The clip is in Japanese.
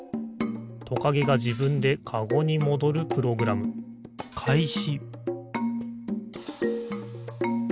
トカゲがじぶんでカゴにもどるプログラムかいし！